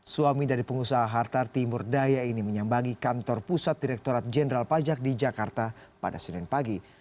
suami dari pengusaha harta timur daya ini menyambangi kantor pusat direkturat jenderal pajak di jakarta pada senin pagi